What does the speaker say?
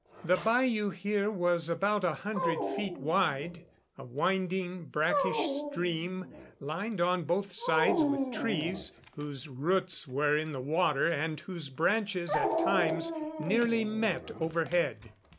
The bayou here was about a hundred feet wide, a winding, brackish stream, lined on both sides with trees whose roots were in the water and whose branches at times nearly met overhead.